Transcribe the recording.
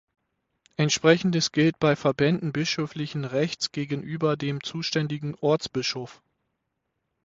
Entsprechendes gilt bei Verbänden bischöflichen Rechts gegenüber dem zuständigen Ortsbischof.